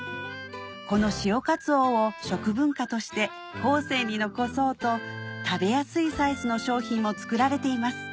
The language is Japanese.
この潮かつおを食文化として後世に残そうと食べやすいサイズの商品も作られています